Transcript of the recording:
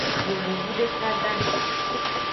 Yovogbu deka dahen.